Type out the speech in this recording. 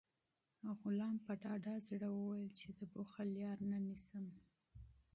غلام په ډاډه زړه وویل چې زه د بخل لاره نه نیسم.